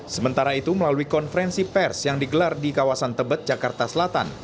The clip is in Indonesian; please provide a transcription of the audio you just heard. sementara itu melalui konferensi pers yang digelar di kawasan tebet jakarta selatan